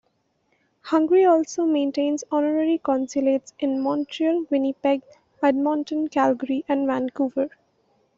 Hungary also maintains Honorary Consulates in Montreal, Winnipeg, Edmonton, Calgary, and Vancouver.